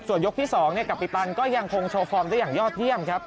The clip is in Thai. ส่วนยกที่๒กับปิตันก็ยังคงโชว์ฟอร์มได้อย่างยอดเยี่ยมครับ